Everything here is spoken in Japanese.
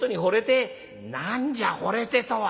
「何じゃほれてとは！」。